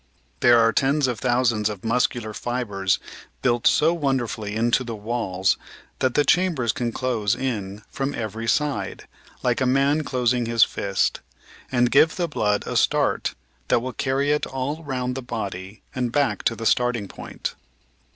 There are tens of thousands of muscular fibres built so wonderfully into the walls that the chambers can close in from every side, like a man closing his fist, and give the blood a start that will carry it all round the body and back to the starting point.